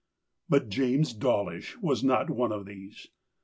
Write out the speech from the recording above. But James Daw lish was not one of these.